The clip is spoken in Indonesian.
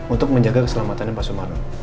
untuk menjaga keselamatannya pak sumarno